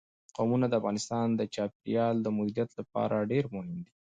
قومونه د افغانستان د چاپیریال د مدیریت لپاره ډېر مهم دي.